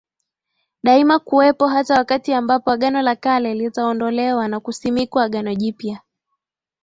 daima kuwepo hata wakati ambapo Agano la Kale litaondolewa na kusimikwa Agano jipya